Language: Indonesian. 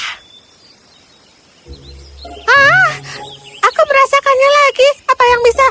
hah aku merasakannya lagi apa yang bisa